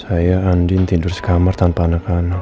saya andin tidur satu kamar tanpa anak anak